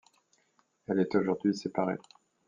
Elle est aujourd'hui séparée.